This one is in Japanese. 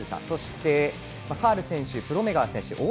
そしてカール選手プロメガー選手